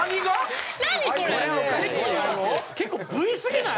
結構Ｖすぎない？